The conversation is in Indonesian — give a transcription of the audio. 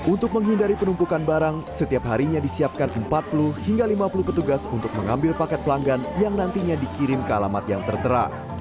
untuk menghindari penumpukan barang setiap harinya disiapkan empat puluh hingga lima puluh petugas untuk mengambil paket pelanggan yang nantinya dikirim ke alamat yang tertera